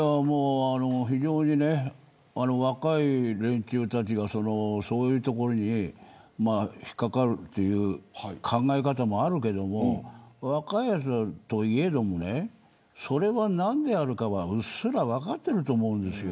非常に若い連中たちがそういうところに引っ掛かるという考え方もあるけど若いやつらといえどもそれは何であるかは、うっすらと分かっていると思うんですよ。